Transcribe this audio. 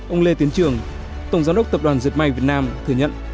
ông lê tiến trường tổng giám đốc tập đoàn diệt may việt nam thừa nhận